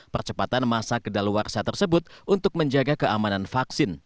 percepatan masa kedaluarsa tersebut untuk menjaga keamanan vaksin